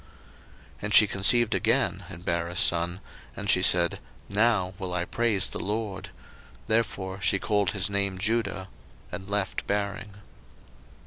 01:029:035 And she conceived again, and bare a son: and she said, Now will I praise the LORD: therefore she called his name Judah; and left bearing.